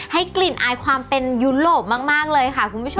ให้กลิ่นอายความเป็นยุโรปมากเลยค่ะคุณผู้ชม